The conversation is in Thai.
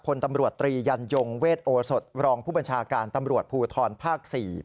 พลตำรวจตรียันยงเวทโอสดรองผู้บัญชาการตำรวจภูทรภาค๔